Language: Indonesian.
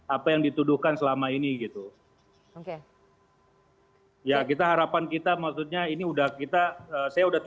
apa yang dituduhkan selama ini gitu oke ya kita harapan kita maksudnya ini udah kita saya udah